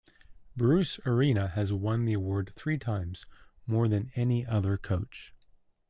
Bruce Arena has won the award three times, more than any other coach.